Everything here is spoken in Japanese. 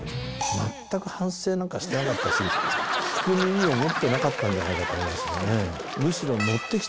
全く反省なんかしてなかったし、聞く耳を持ってなかったんじゃないかと思いますね。